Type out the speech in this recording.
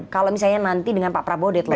kalau misalnya nanti dengan pak prabowo deadline